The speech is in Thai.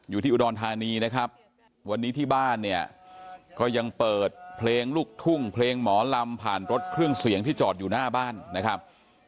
อยู่ที่อุดรธานีนะครับวันนี้ที่บ้านเนี่ยก็ยังเปิดเพลงลูกทุ่งเพลงหมอลำผ่านรถเครื่องเสียงที่จอดอยู่หน้าบ้านนะครับ